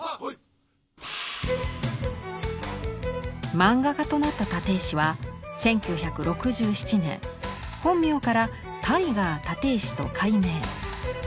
マンガ家となった立石は１９６７年本名から「タイガー立石」と改名。